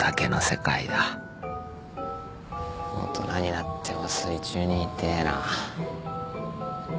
大人になっても水中にいてえな。